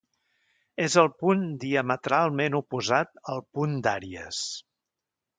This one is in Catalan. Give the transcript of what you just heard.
És el punt diametralment oposat al punt d'Àries.